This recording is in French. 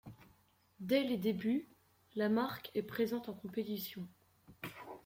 Dès les débuts, la marque est présente en compétition.